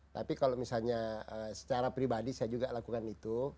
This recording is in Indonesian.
tapi kalau misalnya secara pribadi saya juga lakukan itu